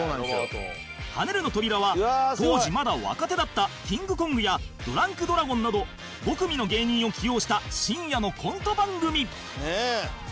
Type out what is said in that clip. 『はねるトびら』は当時まだ若手だったキングコングやドランクドラゴンなど５組の芸人を起用した深夜のコント番組